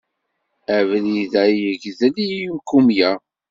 Abrid-a yegdel i yikumya.